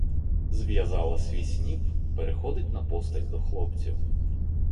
Зв'язала свій сніп, переходить на постать до хлопців.